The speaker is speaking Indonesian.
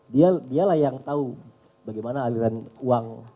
dia lah yang tau bagaimana aliran uang